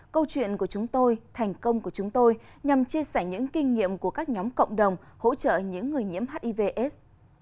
câu chuyện của chúng tôi thành công của chúng tôi nhằm chia sẻ những kinh nghiệm của các nhóm cộng đồng hỗ trợ những người nhiễm hivs